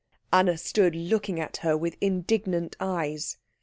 Anna stood looking at her with indignant eyes.